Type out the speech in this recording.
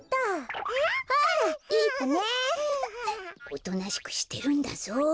おとなしくしてるんだぞ。